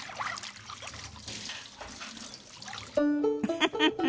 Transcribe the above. フフフフ。